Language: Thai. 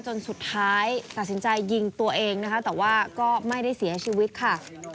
จนสุดท้ายตัดสินใจยิงตัวเองนะคะแต่ว่าก็ไม่ได้เสียชีวิตค่ะ